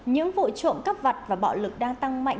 những vụ trộm cắp vặt và bạo lực đang tăng mạnh